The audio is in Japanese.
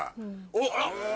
おっ！